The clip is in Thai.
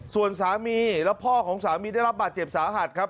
ส่วนสามีและพ่อของสามีได้รับบาดเจ็บสาหัสครับ